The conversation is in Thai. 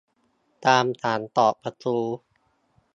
การถามตอบกระทู้